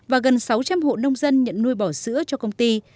và gần sáu trăm linh hộ chăn nuôi